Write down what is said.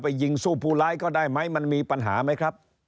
ยิงสู้ผู้ร้ายก็ได้ไหมมันมีปัญหาไหมครับ